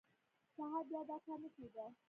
سهار بیا دا کار نه کېده.